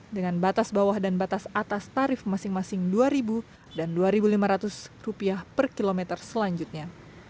dengan batas bawah dan batas atas tarif masing masing rp dua dan rp dua lima ratus per kilometer selanjutnya